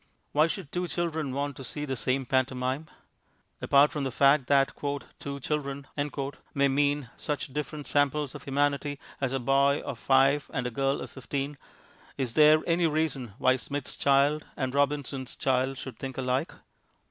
Why should two children want to see the same pantomime? Apart from the fact that "two children" may mean such different samples of humanity as a boy of five and a girl of fifteen, is there any reason why Smith's child and Robinson's child should think alike?